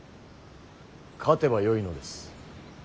勝てばよいのです。